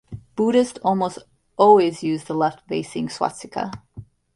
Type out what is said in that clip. Buddhists almost always use the left-facing swastika.